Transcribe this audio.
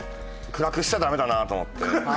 暗くしちゃダメだなと思って。